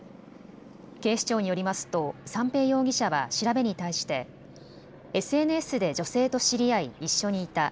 警視庁によりますと三瓶容疑者は調べに対してＳＮＳで女性と知り合い一緒にいた。